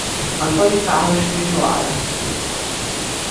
Antônio Carlos Fugiwara